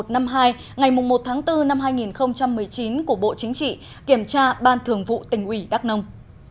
ngày một tháng bốn năm hai nghìn một mươi chín của bộ chính trị kiểm tra ban thường vụ tỉnh ủy đắk nông